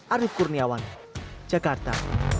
arief kurniawan jakarta